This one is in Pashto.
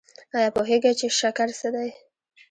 ایا پوهیږئ چې شکر څه دی؟